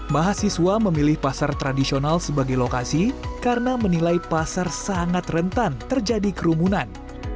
mahasiswa memilih pasar tradisional sebagai lokasi karena menilai pasar sangat rentan terjadi kerumunan